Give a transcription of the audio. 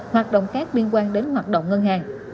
hoạt động khác liên quan đến hoạt động ngân hàng